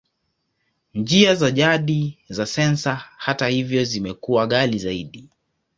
Njia za jadi za sensa, hata hivyo, zimekuwa ghali zaidi.